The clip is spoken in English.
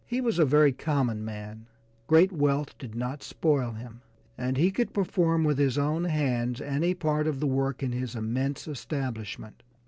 He was a very common man great wealth did not spoil him, and he could perform with his own hands any part of the work in his immense establishment.